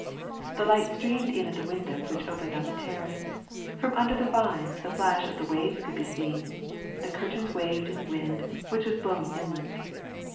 The light streamed in at the windows which opened on the terrace, from under the vines the flash of the waves could be seen, the curtains waved in the wind, which was blowing inland.